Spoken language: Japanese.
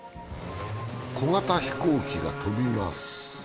小型飛行機が飛びます。